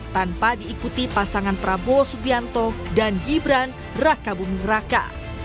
tanpa diikuti pasangan prabowo subianto dan gibran raka buming raka